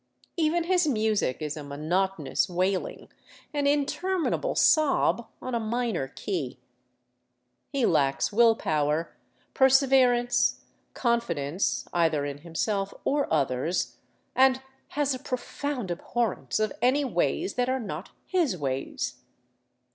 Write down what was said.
Even his music is a monotonous wailing, an Interminable sob on a minor key. He lacks will power, perseverance, confidence, either in himself or others, and has a profound abhorrence of any ways that are not his ways.